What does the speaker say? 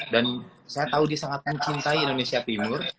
dan saya tahu dia sangat mencintai indonesia timur